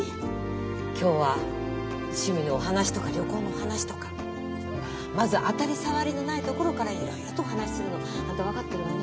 今日は趣味のお話とか旅行のお話とかまず当たり障りのないところからいろいろとお話しするの。あんた分かってるわね。